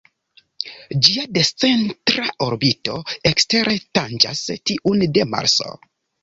Ĝia discentra orbito ekstere tanĝas tiun de Marso.